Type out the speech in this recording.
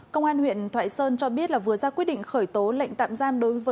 công an huyện thoại sơn cho biết là vừa ra quyết định khởi tố lệnh tạm giam